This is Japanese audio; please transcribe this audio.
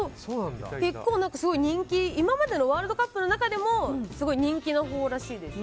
結構今までのワールドカップの中でもすごい人気のほうらしいです。